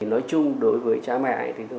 nói chung đối với trẻ mẹ